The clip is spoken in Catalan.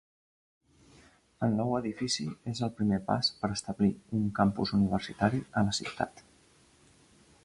El nou edifici és el primer pas per establir un Campus Universitari a la ciutat.